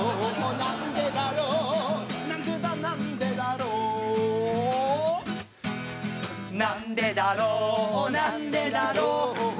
「なんでだろうなんでだろう」